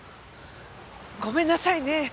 ごめんなさいね。